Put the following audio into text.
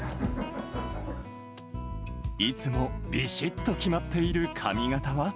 いつもびしっと決まっている髪形は。